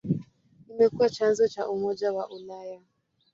Imekuwa chanzo cha Umoja wa Ulaya.